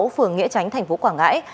phường nghĩa tránh tp quảng ngãi